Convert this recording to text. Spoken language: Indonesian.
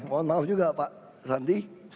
mohon maaf juga pak sandi